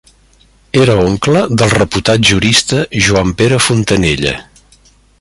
Era oncle del reputat jurista Joan Pere Fontanella.